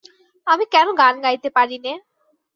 আমি কেন গান গাইতে পারি নে!